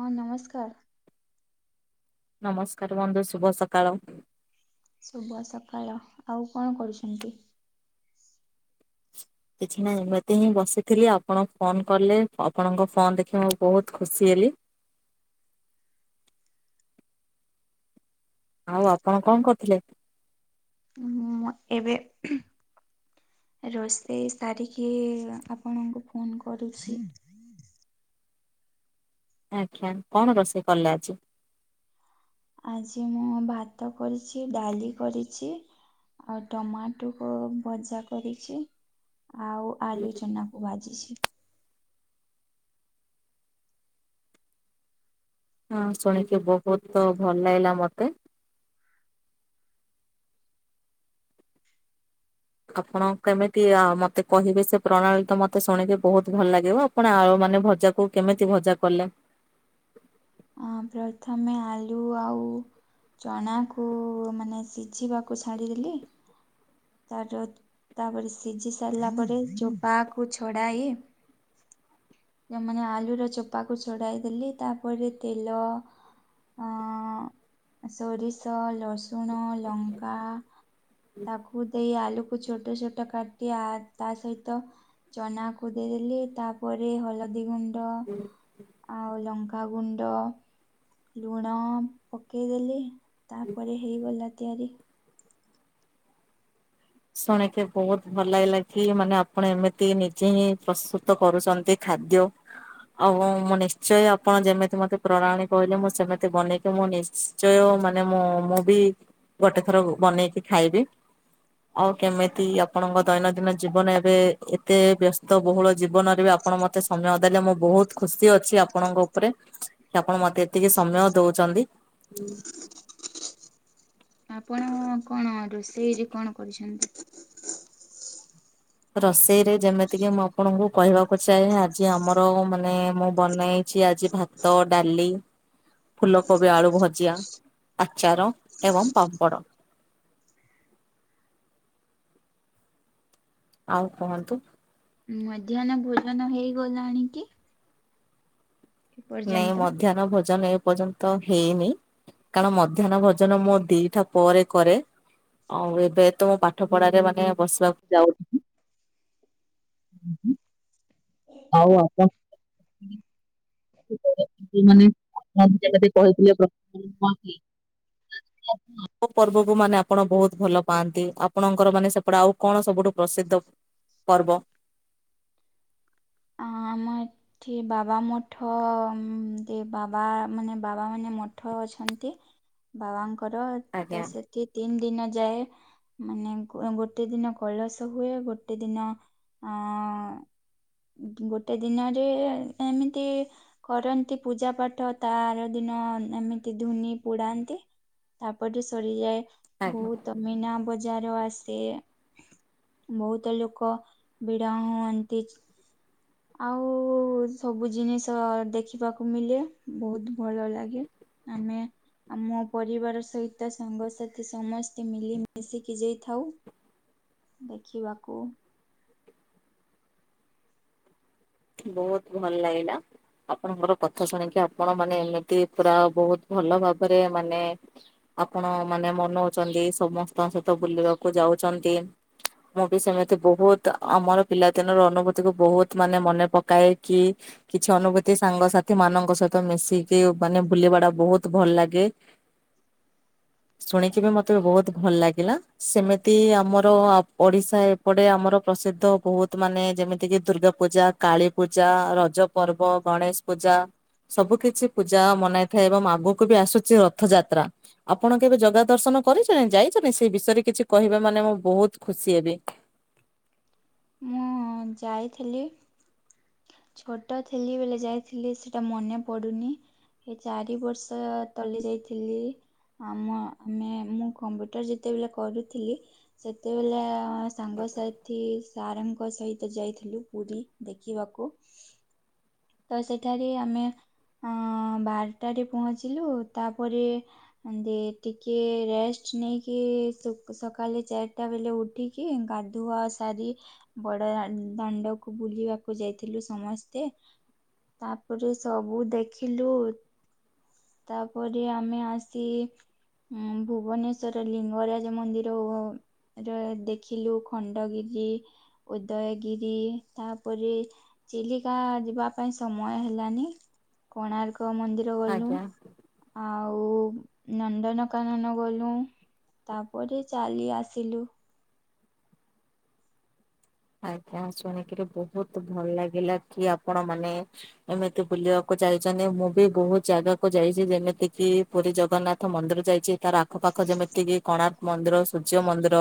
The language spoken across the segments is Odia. ହଁ, ନମସ୍କାର। ନମସ୍କାର, ବନ୍ଧୁ ଶୁଭ ସକାଳ। ଶୁଭ ସକାଳ, ଆଉ କଣ କରୁଛନ୍ତି? କିଛି ନାହିଁ ଏମିତି ହିଁ ବସିଥିଲି ଆପଣ ଫୋନ କଲେ, ଆପଣଙ୍କ ଫୋନ ଦେଖିବା ମୁଁ ବହୁତ ଖୁସି ହେଲି। ଆଉ ଆପଣ କଣ କରୁଥିଲେ? ମୁଁ ଏବେ ରୋଷେଇ ସାରିକି ଆପଣଙ୍କୁ ଫୋନ କରୁଛି। ଆଜ୍ଞା, କଣ ରୋଷେଇ କଲେ ଆଜି? ଆଜି ମୁଁ ଭାତ କରିଛି, ଡାଲି କରିଛି ଆଉ ଟମାଟୋକୁ ଭଜା କରିଛି, ଆଉ ଆଳୁ ଚନାକୁ ଭାଯିଛି। ହଁ ଶୁଣିକି ବହୁତ ଭଲ ଲାଗିଲା ମତେ। ଆପଣ କେମିତି ଆଉ ମତେ କହିବେ ସେ ପ୍ରଣାଳୀତ ମତେ ଶୁଣିକି ବହୁତ ଭଲ ଲାଗିବ। କଣ ଆଉ ମାନେ ଭଜାକୁ କେମିତି ଭଜା କଲେ? ପ୍ରଥମେ ଆଲୁ ଆଉ ଚଣାକୁ ମାନେ ସିଝିବାକୁ ଛାଡିଦେଲି ତାର ତାପରେ ସିଝି ସାରିଲା ପରେ ଚୋବାକୁ ଛଡାଇ ଯେମାନେ ଆଳୁର ଚୋପାକୁ ଛଡାଇ ଦେଲି ତାପରେ ତେଲ ହଁ ସୋରିଷ, ରସୁଣ, ଲଙ୍କା ତାକୁ ଦେଇ ଆଳୁକୁ ଛୋଟ ଛୋଟ କାଟି ଆ ତା ସହିତ ଚନାକୁ ଦେଇଦେଲି ତାପରେ ହଳଦୀ ଗୁଣ୍ଡ ଆଉ ଲଙ୍କାଗୁଣ୍ଡ ଲୁଣ ପକେଇଦେଲି ତାପରେ ହେଇଗଲା ତିଆରି। ଶୁଣିକି ବହୁତ ଭଲ ଲାଗିଲା କି, ମାନେ ଆପଣ ଏମିତି ନିଜେ ହିଁ ପ୍ରସ୍ତୁତ କରୁଛନ୍ତି ଖାଦ୍ୟ। ଆଉ ହଁ ମୁଁ ନିଶ୍ଚୟ ଆପଣ ଯେମିତି ମତେ ପ୍ରଣାଳୀ କହିଲେ ମୁଁ ସେମିତି ବନେଇକି ମୁଁ ନିଶ୍ଚ ନିଶ୍ଚୟ ମାନେ ମୁଁ, ମୁଁ ବି ଗୋଟେ ଥର ବନେଇକି ଖାଇବି ଆଉ କେମିତି ଆପଣଙ୍କ ଦୈନନ୍ଦିନ ଜୀବନ ଏବେ ଏତେ ବ୍ୟସ୍ତ ବହୁଳ ଜୀବନରେ ବି ଆପଣ ମତ ମତେ ସମୟ ଦେଲେ, ମୁଁ ବହୁତ ଖୁସି ଅଛି ଆପଣଙ୍କ ଉପରେ କି ଆପଣ ମତେ ଏତିକି ସମୟ ଦଉଚନ୍ତି। ଆପଣ କଣ ରୋଷେଇରେ କଣ କରିଛନ୍ତି? ରୋଷେଇରେ ଯେମିତିକି ମୁଁ ଆପଣଙ୍କୁ କହିବାକୁ ଚାହେଁ, ଆଜି ଆମର ମାନେ ମୁଁ ବନେଇଛି ଆଜି ଭାତ ଭାତ, ଡ଼ାଲି ଫୁଲକୋବି ଆଳୁ ଭଜିଆ, ଆଚାର ଏବଂ ପାମ୍ପଡ଼। ଆଉ କୁହନ୍ତୁ? ମଧ୍ୟାହ୍ନ ଭୋଜନ ହେଇଗଲାଣି କି? ନାଇଁ ଏପର୍ଯ୍ୟନ୍ତ? ମଧ୍ୟାହ୍ନ ଭୋଜନ ଏ ପର୍ଯ୍ୟନ୍ତ ନ୍ତ ହେଇନି, କାରଣ ମଧ୍ୟାହ୍ନ ଭୋଜନ ମୁଁ ଦିଟା ପରେ କରେ ଆଉ ଏବେ ତ ମୁଁ ପାଠପଢାରେ ମାନେ ବସିବାକୁ ଯାଉଛି ହୁଁ। ଆଉ ଆପଣ ଯୋଉମାନେ [unintelligible] କହିଥିଲେ [unintelligible] ଆମ ପର୍ବକୁ ମାନେ ଆପଣ ବହୁତ ଭଲ ପାଆନ୍ତି, ଆପଣଙ୍କର ମାନେ ସେପଟେ ଆଉ କଣ ସବୁଠୁ ପ୍ରସିଦ୍ଧ ପର୍ବ? ହଁ ଆମ ଏ ଠି ବାବା ମଠ, ଏମତି ବାବା ମାନେ ବାବା ମାନେ ମଠ ଅଛନ୍ତି ବାବାଙ୍କର, ଆଜ୍ଞା ତ ସେଠି ତିନି ଦିନ ଯାଏ ମାନେ ଗୋଟେ ଦିନ କୈଳସ ହୁଏ, ଗୋଟେ ଦିନ ଅଁ ଗୋଟେ ଦିନରେ ଏମିତି କରନ୍ତି ପୂଜା ପାଠ, ତା ଆର ଦିନ ଏମିତି ଧୁନି ପୁଡାନ୍ତି। ତାପରେ ସରିଯାଏ, ଆଜ୍ଞା। ବହୁତ ମିନା ବଜା ଜାର ଆସେ, ବହୁତ ଲୋକ ଭିଡା ହୁଅନ୍ତି। ଆଉ ସବୁ ଜିନିଷ ଦେଖିବାକୁ ମିଲେ, ବହୁତ୍ ଭଲ ଲାଗେ। ଆମେ ଆମ ପରିବାର ସହିତ ସାଙ୍ଗସାଥି ସମସ୍ତେ ମିଲିମିଶିକି ଯାଇଥାଉ ଦେଖିବାକୁ। ବହୁତ୍ ଭଲ ଲାଗିଲା। ଆପଣଙ୍କର କଥା ଶୁଣିକି ଆପଣ ମାନେ ଏମିତି ପୁରା ବହୁତ୍ ଭଲ ଭାବରେ ମାନେ ଆପଣ ମାନେ ମନଉଚନ୍ତି, ସମସ୍ତଙ୍କ ସହିତ ବୁଲିବାକୁ ଯାଉଚନ୍ତି ମୁଁ ବି ସେମିତି ବହୁତ୍ ଆମର ପିଲାଦିନର ଅନୁଭୂତିକୁ ବହୁତ୍ ମାନେ ମନେ ପକାଏ କି କିଛି ଅନୁଭୂତି ସାଙ୍ଗସାଥିମାନଙ୍କ ସହିତ ମିଶିକି ମାନେ ବୁଲିବାଟା ବହୁତ୍ ଭଲ ଲାଗେ [inaudible] ଶୁଣିକି ବି ମତେ ବହୁତ୍ ଭଲ ଲାଗିଲା। ସେମିତି ଆମର ଆ ପଡିଶା ଏପଟେ ଆମର ପ୍ରସିଦ୍ଧ ବହୁତ୍ ମାନେ ଯେମିତିକି ଦୁର୍ଗା ପୂଜା କାଳୀ ପୂଜା, ରଜ ପର୍ବ, ଗଣେଶ ପୂଜା ସବୁ କିଛି ପୂଜା ମନାଇଥାଏ ଏବଂ ଆଗକୁ ବି ଆସୁଚି ରଥଯାତ୍ରା। ଆପଣ କେବେ ଜଗା ଦର୍ଶନ କରିଚନ୍ତି, ଯାଇଚନ୍ତି? ସେଇ ବିଷୟରେ କିଛି କହିବେ ମାନେ ମୁଁ ବହୁତ୍ ଖୁସି ହେବି। ମୁଁ ଯାଇଥିଲି। ଛୋଟ ଥିଲି ବେଳେ ଯାଇଥିଲି ସେଟା ମନେ ପଡ଼ୁନି। ଏ ଚାରି ବର୍ଷ ତଲେ ଯାଇଥିଲି। ଆମ ଆମେ ମୁଁ କମ୍ପ୍ୟୁଟର ଯେତେବେଳେ କରୁଥିଲି ସେତେବେଲେ ସାଙ୍ଗ ସାଥି ସାର୍‌ଙ୍କ ସହିତ ଯାଇଥିଲୁ ପୁରୀ ଦେଖିବାକୁ। ତ ସେଠାରେ ଆମେ ଅଁ ବାରଟାରେ ପହଞ୍ଚିଲୁ। ତାପରେ ଏମତି ଟିକିଏ ରେଷ୍ଟ ନେଇକି ସକାଳେ ଚାରିଟା ବେଳେ ଉଠିକି କି ଗାଧୁଆ ସାରି ବଡ ଦାନ୍ ଦାଣ୍ଡକୁ ବୁଲିବାକୁ ଯାଇଥିଲୁ ସମସ୍ତେ। ତାପରେ ସବୁ ଦେଖିଲୁ। ତାପରେ ଆମେ ଆସି ହୁଁ ଭୁବନେଶ୍ୱର ଲିଙ୍ଗରାଜ ମନ୍ଦିର ଓ ର ଦେଖିଲୁ ଖଣ୍ଡଗିରି। ଉଦୟଗିରି ତାପରେ ଚିଲିକା ଯିବା ପାଇଁ ସମୟ ହେଲାନି କୋଣାର୍କ ମନ୍ଦିର ଗଲୁ। ଆଜ୍ଞା। ଆଉ ନନ୍ଦନକାନନ ଗଲୁ। ତାପରେ ଚାଲି ଆସିଲୁ। ଆଜ୍ଞା ଶୁଣିକିରି ବହୁତ୍ ଭଲ୍ ଲାଗିଲା କି ଆପଣ ମାନେ ଏମିତି ବୁଲିବାକୁ ଯାଇଚନ୍ତି। ମୁଁ ବି ବହୁତ୍ ଜାଗାକୁ ଯାଇଚି। ଯେମିତି କିି ପୁରୀ ଜଗନ୍ନାଥ ମନ୍ଦିର ଯାଇଚି। ତାର ଆଖପାଖ ଯେମିତିକି କୋଣାର୍କ ମନ୍ଦିର, ସୂର୍ଯ୍ୟ ମନ୍ଦିର,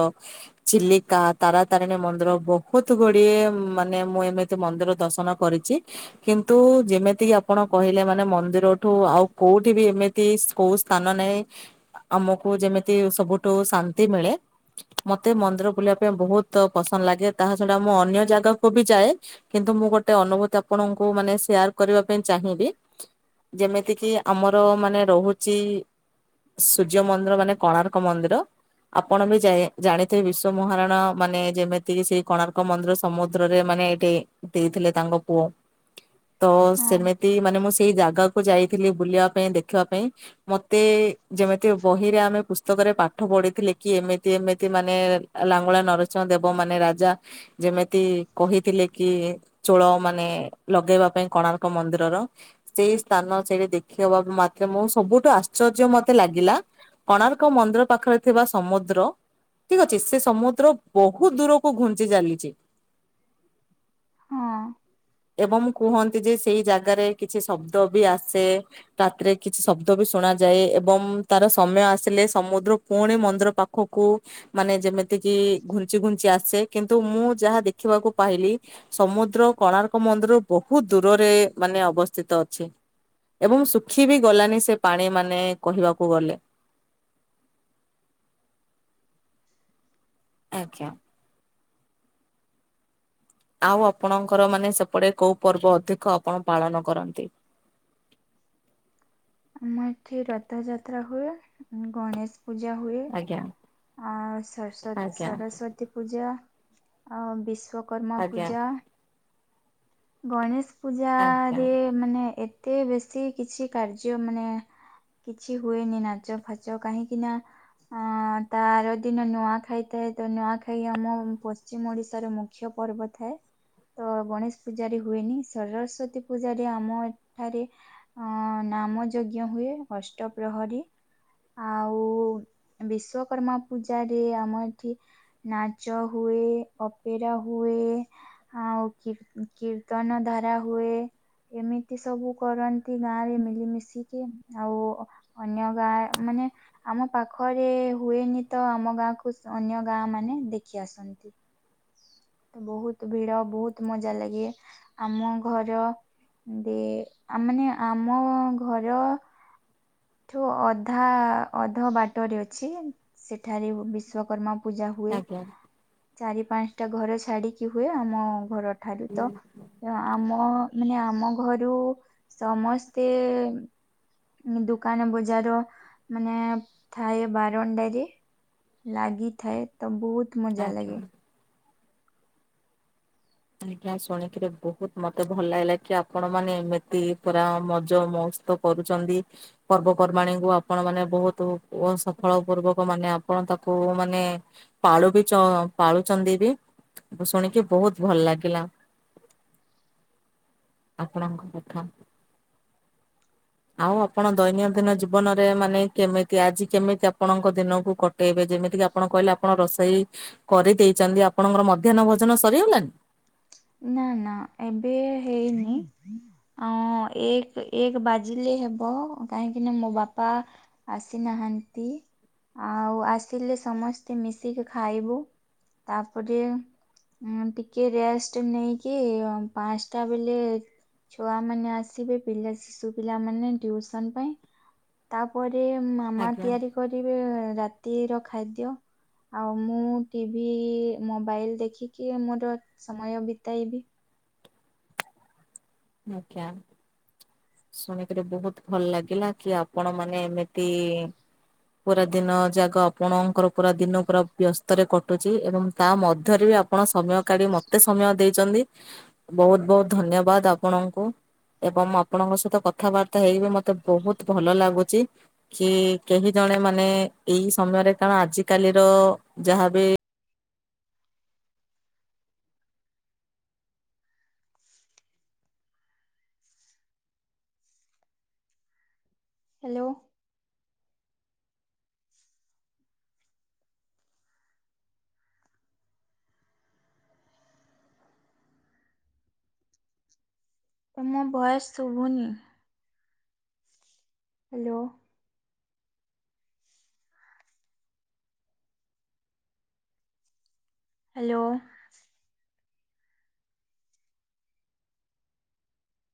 ଚିଲିକା, ତାରାତାରିଣୀ ମନ୍ଦିର ବହୁ ବୋହୁତ ଗୁଡିଏ ମାନେ ମୁଁ ଏମିତି ମନ୍ଦିର ଦର୍ଶନ କରିଚି। କିନ୍ତୁ ଯେମିତିକି ଆପଣ କହିଲେ ମାନେ ମନ୍ଦିରଠୁ ଆଉ କୋଉଠି ବି ଏମିତି ତିସ୍ କୋଉ ସ୍ଥାନ ନାହିଁ ଆମକୁ ଯେମିତି ସବୁଠୁ ଶାନ୍ତି ମିଳେ। ମତେ ମନ୍ଦିର ବୁଲିବା ପାଇଁ ବହୁତ୍ ପସନ୍ଦ ଲାଗେ। ତାହା ଛଡା ମୁଁ ଅନ୍ୟ ଜାଗାକୁ ବି ଯାଏ। କିନ୍ତୁ ମୁଁ ଗୋଟେ ଅନୁଭୂତି ଆପଣଙ୍କୁ ମାନେ ସେୟାର କରିବା ପାଇଁ ଚାହିଁବି। ଯେମିତିକିି ଆମର ମାନେ ରହୁଚି। ସୂର୍ଯ୍ୟ ମନ୍ଦିର ମାନେ କୋଣାର୍କ ମନ୍ଦିର। ଆପଣ ବି ଯାଇ ଜାଣିଥିବେ ବିଶ୍ୱ ମହାରାଣା ମାନେ ଯେମିତିକି ସେ କୋଣାର୍କ ମନ୍ଦିର ସମୁଦ୍ରରେ ମାନେ ଏଇଠି ଦେଇଥିଲେ ତାଙ୍କ ପୁଅ ତ ହଁ ସେମିତି। ଟି ମାନେ ମୁଁ ସେଇ ଜାଗା କୁ ଯାଇଥିଲି ବୁଲିବା ପାଇଁ ଦେଖିବା ପାଇଁ ମତେ ଯେମିତି ବହିରେ ଆମେ ପୁସ୍ତକରେ ପାଠ ପଢିଥିଲେ କି ଏମିତି ଏମିତି ମାନେ ଲାଙ୍ଗୁଳା ନରସିଂହ ଦେବ ମାନେ ରାଜା। ଯେମିତି କହିଥିଲେ କି? ଚୋଳ ମାନେ ଲଗେଇବା ପାଇଁ କୋଣାର୍କ ମନ୍ଦିରର। ସେଇ ସ୍ଥାନ ସେଇଠି ଦେଖିବା ମାତ୍ରେ ମୁ ସବୁଠୁ ଆଶ୍ଚର୍ଯ୍ୟ ମତେ ଲାଗିଲା। କୋଣାର୍କ ମନ୍ଦିର ପାଖରେ ଥିବା ସମୁଦ୍ର। ଠିକ ଅଛି ସେ ସମୁଦ୍ର ବହୁତ ଦୂରକୁ ଘୁଞ୍ଚି ଚାଲିଛି। ହୁଁ। ଏବଂ କୁହନ୍ତି ଯେ ସେଇ ଜାଗାରେ କିଛି ଶବ୍ଦ ବି ଆସେ। ରାତିରେ କିଛି ଶବ୍ଦ ବି ଶୁଣାଯାଏ ଏବଂ ତାର ସମୟ ଆସିଲେ ସମୁଦ୍ର ପୁଣି ମନ୍ଦିର ପାଖ ଓହୋ। ମାନେ ଯେମିତି କିି ଘୁଞ୍ଚି ଘୁଞ୍ଚି ଆସେ କିନ୍ତୁ ମୁଁ ଯାହା ଦେଖିବାକୁ ପାଇଲି। ସମୁଦ୍ର କୋଣାର୍କ ମନ୍ଦିର ବହୁତ ଦୂରରେ ମାନେ ଅବସ୍ଥିତ ଅଛି। ଏବଂ ଶୁଖି ବି ଗଲାନି ସେ ପାଣି ମାନେ କହିବାକୁ ଗଲେ। ଆଜ୍ଞା। ଆଉ ଆପଣଙ୍କର ମାନେ ସେପଟେ କୋଉ ପର୍ବ ଅଧିକ ଆପଣ ପାଳନ କରନ୍ତି? ଆମ ଏଠି ରଥଯାତ୍ରା ହୁଏ, ଗଣେଶ ପୂଜା ହୁଏ। ଆଜ୍ଞା। ଆ ସରସ୍ତ ଆଜ୍ଞା ସରସ୍ଵତୀ ପୂଜା, ଆଉ ବିଶ୍ଵକର୍ମା ଆଜ୍ଞା ପୂଜା। ଗଣେଶ ଆଜ୍ଞା ପୂଜାରେ ମାନେ ଏତେ ବେଶୀ କିଛି କାର୍ଯ୍ୟ ମାନେ କିଛି ହୁଏନି ନାଚ ଫାଚ। କାହିଁକି ନା ଅ ତାର ଦିନ ନୂଆ ଖାଇଥାଏ ଥାଏ ତ ନୂଆଖାଇ ଆମ ପଶ୍ଚିମ ଓଡିଶାର ମୁଖ୍ୟ ପର୍ବ। ଥାଏ ତ ଗଣେଶ ପୂଜାରେ ହୁଏନି ସରସ୍ଵତୀ ପୂଜାରେ ଆମ ଏଠାରେ ହଁ ନାମ ଯଜ୍ଞ ହୁଏ ଅଷ୍ଟ ପ୍ରହରୀ। ଆଉ ବିଶ୍ଵକର୍ମା ପୂଜା ରେ ଆମ ଏଠି ନାଚ ହୁଏ, ଅପେରା ହୁଏ ଆଉ କି କୀର୍ତ୍ତନ ଧରା ହୁଏ। ଏମିତି ସବୁ କରନ୍ତି ଗାଁ ରେ ମିଳିମିଶିକି ଆଉ ଅନ୍ୟ ଗାଁ ମାନେ ଆମ ପାଖରେ ହୁଏନି ତ ଆମ ଗାଁକୁ ଅନ୍ୟ ଗାଁ ମାନେ ଦେଖି ଆସନ୍ତି। ବହୁତ ଭିଡ଼ ବହୁତ ମଜା ଲାଗେ। ଆମ ଘର ଦେ ମାନେ ଆମ ଘର ଠୁ ଅଧା, ଅଧ ବାଟରେ ଅଛି ସେଠାରେ ବିଶ୍ଵକର୍ମା ପୂଜା ହୁଏ ଆଜ୍ଞା। ଚାରି ପାଞ୍ଚଟା ଘର ଛାଡି଼କି ହୁଏ ଆମ ଘର। ଠାରୁ ତ ଆମ ମାନେ ଆମ ଘରୁ ସମସ୍ତେ ଦୋକାନ ବଜାର ମାନେ ଥାଏ ବାରଣ୍ଡାରେ। ଲାଗିଥାଏ ତ ବହୁତ ମଜା ଆଜ୍ଞା। ଲାଗେ। ଆ ଶୁଣିକିରି ବହୁତ ମତେ ଭଲ ଲାଗିଲା କି ଆପଣ ମାନେ ଏମିତି ପୁରା ମଜ ମଉସ୍ ତ କରୁଛନ୍ତି। ପର୍ବପର୍ବାଣି ଙ୍କୁ ଆପଣ ମାନେ ବହୁତ ସଫଳ ପୂର୍ବକ ମାନେ ଆପଣ ତାକୁ ମାନେ ପାଳୁ ବି ଚ ପାଳୁଚନ୍ଦୀ ବି। ଶୁଣିକି ବହୁତ ଭଲ ଲାଗିଲା। ଆପଣଙ୍କ କଥା। ଆଉ ଆପଣ ଦୈନନ୍ଦିନ ଜୀବନରେ ମାନେ କେମିତି ଆଜି କେମିତି ଆପଣଙ୍କ ଦିନକୁ କ ଏବେ ଯେମିତି କିି ଆପଣ କହିଲେ ଆପଣ ରୋଷେଇ କରିଦେଇଛନ୍ତି ଆପଣଙ୍କର ମଧ୍ୟାହ୍ନ ଭୋଜନ ସରିଗଲାଣି? ନା ନା ଏବେ ହେଇନି। ହ ଏକ ଏକ ବାଜିଲେ ହେବ କାହିଁକି ନା ମୋ ବାପା ଆସିନାହାନ୍ତି, ଆଉ ଆସିଲେ ସମସ୍ତେ ମିଶିକି ଖାଇବୁ। ତାପରେ ଟିକେ ରେଷ୍ଟ ନେଇକି ପାଞ୍ଚଟା ବେଲେ ଛୁଆମାନେ ଆସିବେ ପିଲା ଶିଶୁ ପିଲାମାନେ ଟିଉସନ୍ ପାଇଁ। ତାପରେ ମାମା ଆଜ୍ଞା ତିଆରି କରିବେ ରାତିର ଖାଦ୍ୟ। ଆଉ ମୁଁ ଟିଭି, ମୋବାଇଲ ଦେଖିକି ମୋର ସମୟ ବିତାଇବି। ଆଜ୍ଞା। ଶୁଣିକିରି ବହୁତ ଭଲ ଲାଗିଲା କି ଆପଣ ମାନେ ଏମିତି ପୁରା ଦିନ ଜାକ ଆପଣଙ୍କର ପୁରା ଦିନ ପୁରା ବ୍ୟସ୍ତରେ କଟୁଛି ଏବଂ ତା ମଧ୍ୟରେ ବି ଆପ ଆପଣ ସମୟ କାଢି଼ ମତେ ସମୟ ଦେଇଛନ୍ତି, ବହୁତ ବହୁତ ଧନ୍ୟବାଦ। ଆପଣଙ୍କୁ ଏବଂ ଆପଣଙ୍କ ସହିତ କଥାବାର୍ତ୍ତା ହେଇ ବିି ମତେ ବହୁତ ଭଲ ଲାଗୁଛି। କି କେହି ଜଣେ ମାନେ ଏଇ ସମୟରେ କଣ ଆଜିକାଲିର ଯାହାବି ହ୍ୟାଲୋ। ତମ ଭଏସ୍ ଶୁଭୁନି। ହ୍ୟାଲୋ। ହ୍ୟାଲୋ।